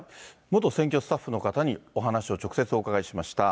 元選挙スタッフの方にお話を直接お伺いしました。